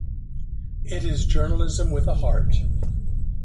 It is journalism with a heart.